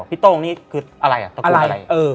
พี่โต้งนี่คืออะไรอ่ะตะกุดอะไร